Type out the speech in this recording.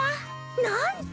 なんと！